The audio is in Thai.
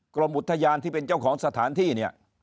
กรมอุทยานที่เป็นเจ้าของสถานที่เนี่ย